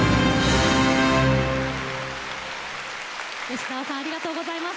吉沢さんありがとうございます。